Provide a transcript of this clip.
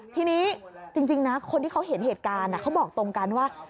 ทีนี้จริงนะคนที่เขาเห็นเหตุการณ์เขาบอกตรงกันว่า